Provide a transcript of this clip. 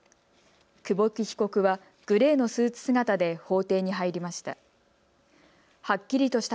久保木被告はグレーのスーツ姿で法廷に入りました。